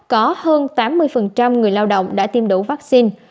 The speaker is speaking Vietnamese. có hơn tám mươi người lao động đã tiêm đủ vaccine